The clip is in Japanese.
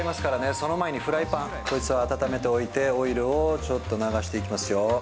その前にフライパン、こいつを温めておいて、オイルをちょっと流していきますよ。